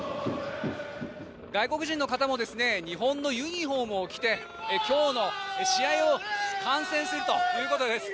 外国人の方も日本のユニホームを着て今日の試合を観戦するということです。